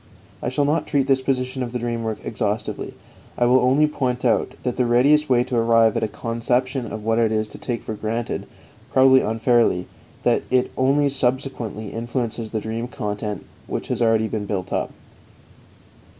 I shall not treat this position of the dream work exhaustively; I will only point out that the readiest way to arrive at a conception of it is to take for granted, probably unfairly, that it only subsequently influences the dream content which has already been built up.